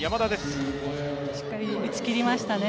しっかり打ち切りましたね。